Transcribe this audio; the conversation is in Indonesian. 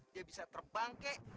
dia bisa terbang kek